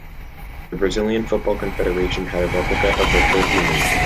The Brazilian Football Confederation had a replica of the trophy made.